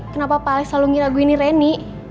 kenapa pak alex selalu ngira gue ini reni